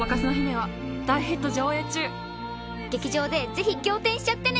劇場でぜひ仰天しちゃってね！